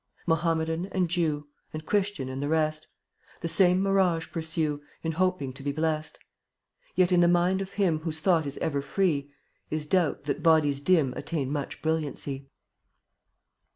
62 Mohammedan and Jew, And Christian and the rest, The same mirage pursue In hoping to be blest; Yet in the mind of him Whose thought is ever free, Is doubt that bodies dim Attain much brilliancy.